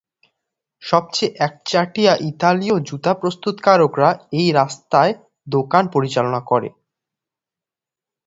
সবচেয়ে একচেটিয়া ইতালীয় জুতা প্রস্তুতকারকরা এই রাস্তায় দোকান পরিচালনা করে।